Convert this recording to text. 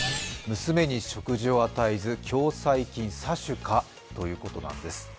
娘に食事を与えず共済金詐取か？ということなんです。